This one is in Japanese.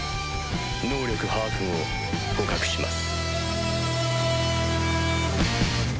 能力把握後捕獲します。